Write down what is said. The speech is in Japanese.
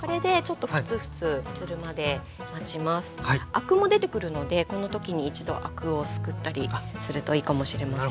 アクも出てくるのでこの時に一度アクをすくったりするといいかもしれません。